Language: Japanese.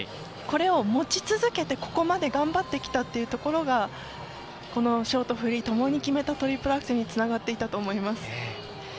これを持ち続けて、ここまで頑張ってきたというところがこのショート、フリー共に決めたトリプルアクセルにつながっていたと思います。